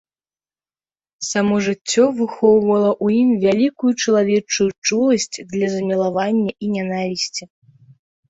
Само жыццё выхоўвала ў ім вялікую чалавечую чуласць для замілавання і нянавісці.